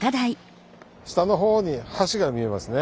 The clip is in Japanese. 下の方に橋が見えますね。